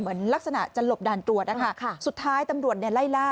เหมือนลักษณะจะหลบด่านตรวจนะคะสุดท้ายตำรวจเนี่ยไล่ล่า